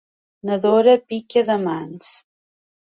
La Dora pica de mans.